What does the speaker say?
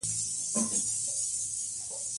د بیکارۍ کچه د دې صنعتونو په واسطه راټیټیږي.